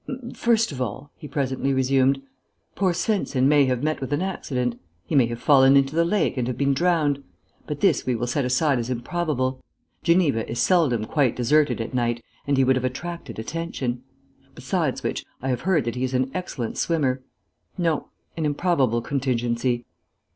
"First of all," he presently resumed, "poor Svensen may have met with an accident. He may have fallen into the lake and have been drowned. But this we will set aside as improbable. Geneva is seldom quite deserted at night, and he would have attracted attention. Besides which, I have heard that he is an excellent swimmer. No; an improbable contingency.